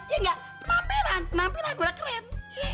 penampilan penampilan gua keren